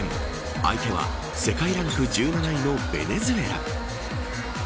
相手は世界ランク１７位のベネズエラ。